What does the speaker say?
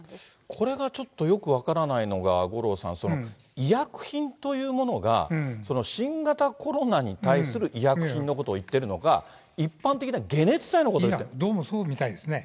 これがちょっとよく分からないのが、五郎さん、医薬品というものが、その新型コロナに対する医薬品のことを言ってるのか、一どうもそうみたいですね。